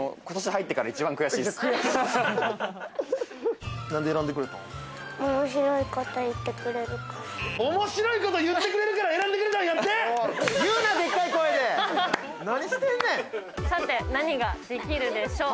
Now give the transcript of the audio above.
今年入ってから一番悔しいです。